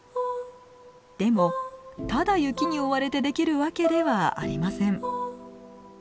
でもただ雪に覆われてできるわけではありません。